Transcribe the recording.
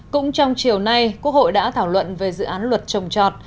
cũng trong chiều nay quốc hội đã thảo luận về dự án luật trồng trọt